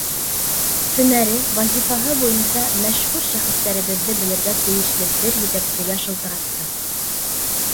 Һөнәре, вазифаһы буйынса мәшһүр шәхестәребеҙҙе белергә тейешле бер етәксегә шылтыраттым.